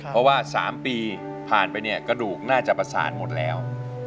เพราะว่า๓ปีผ่านไปเนี่ยกระดูกน่าจะประสานหมดแล้ว